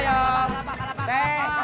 alamat deh alamat